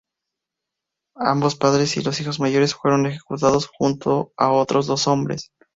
Ambos padres y los hijos mayores fueron ejecutados junto a otros dos hombres.